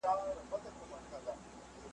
او له سترګو یې د اوښکو رود وو تاللی ,